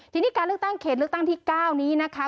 ทีนี้การเลือกตั้งเขตเลือกตั้งที่๙นี้นะคะ